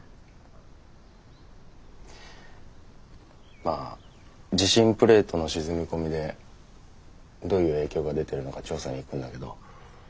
まあ地震プレートの沈み込みでどういう影響が出てるのか調査に行くんだけど。